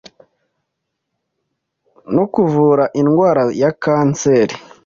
no kuvura indwara ya kanseri,